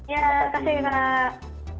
ya kasih banget